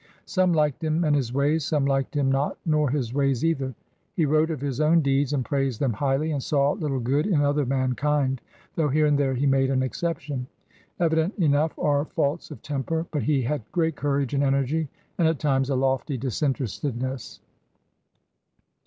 Some liked him and his ways, some liked him not nor his ways either. He wrote of his own deeds and praised them highly, and 'saw little good in other mankind, though here and there he made an exertion. Evident enough are faults of tem per. But he had great courage and energy and at times a lofty disinterestedness.